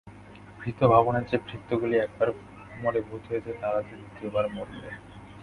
ভূতভাবনের যে ভৃত্যগুলি একবার মরে ভূত হয়েছে তারা যে দ্বিতীয় বার মরবে।